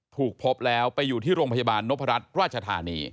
ถูกพบแล้วไปอยู่ที่โรงพยาบาลนพรัชราชธานี